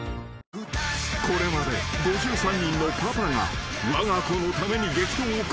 ［これまで５３人のパパがわが子のために激闘を繰り広げてきた］